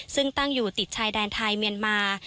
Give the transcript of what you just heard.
ซึ่งตั้งอยู่ติดชายแดนไทยเมียนมา